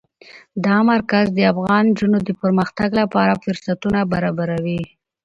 دا مرکز د افغان نجونو د پرمختګ لپاره فرصتونه برابروي.